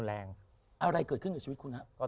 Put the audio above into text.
อะไรเกิดขึ้นในชีวิตคุณหรือครับ